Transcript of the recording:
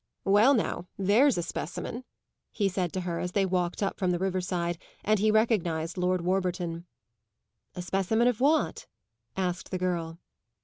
"Well now, there's a specimen," he said to her as they walked up from the riverside and he recognised Lord Warburton. "A specimen of what?" asked the girl.